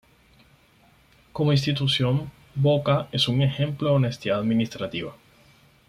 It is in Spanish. Como institución, Boca es un ejemplo de honestidad administrativa.